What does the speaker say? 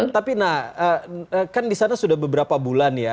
tapi nah kan di sana sudah beberapa bulan ya